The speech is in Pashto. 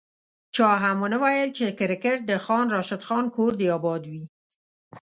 چا هم ونه ویل چي کرکیټ د خان راشد خان کور دي اباد وي